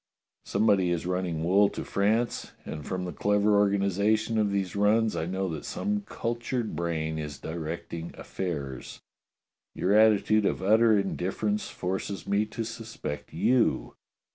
Somebody is running wool to France, and from the clever organization of these runs, I know that some cultured brain is directing affairs. Your attitude of utter indifference forces me to suspect you.